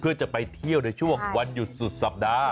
เพื่อจะไปเที่ยวในช่วงวันหยุดสุดสัปดาห์